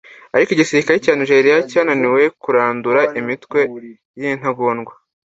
Ariko igisirikare cya Nigeria cyananiwe kurandura imitwe y'intagondwa